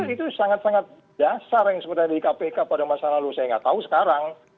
itu sangat sangat dasar yang sebenarnya di kpk pada masa lalu saya nggak tahu sekarang